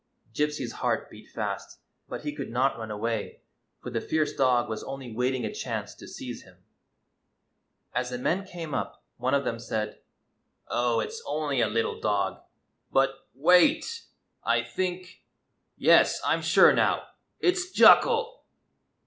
Gypsy's heart beat fast; but he could not run away, for the fierce dog was only waiting a chance to seize him. As the men came up one of them said : "Oh, it 's only a little dog. But — wait! I think — yes, I 'm sure now — it 's Jucal